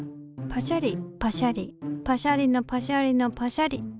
パシャリパシャリパシャリのパシャリのパシャリ。